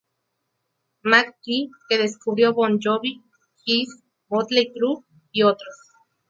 McGhee que descubrió Bon Jovi, Kiss, Mötley Crüe, y otros.